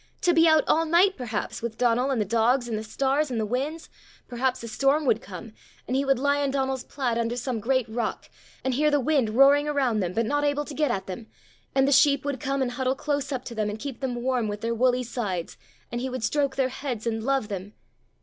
To be out all night, perhaps, with Donal and the dogs and the stars and the winds! Perhaps a storm would come, and he would lie in Donal's plaid under some great rock, and hear the wind roaring around them, but not able to get at them! And the sheep would come and huddle close up to them, and keep them warm with their woolly sides! and he would stroke their heads and love them!